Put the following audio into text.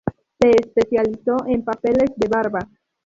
Se especializó en papeles de "barba".